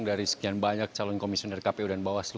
dari sekian banyak calon komisioner kpu dan bawaslu